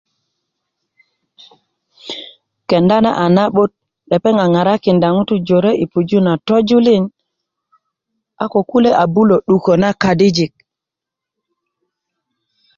kenda na a na'but lepeŋ a ŋarakinda ŋutu jore i pujö na tojulin a ko kulye a bulö 'dukö na kadijik